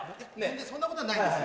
全然そんなことはないですよ。